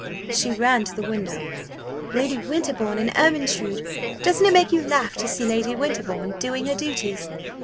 she ran to the window "Lady Winterbourne and Ermyntrude. Doesn't it make you laugh to see Lady Winterbourne doing her duties?